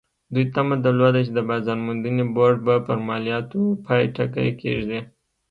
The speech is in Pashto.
دوی تمه درلوده چې د بازار موندنې بورډ به پر مالیاتو پای ټکی کېږدي.